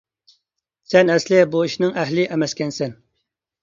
سەن ئەسلى بۇ ئىشنىڭ ئەھلى ئەمەسكەنسەن!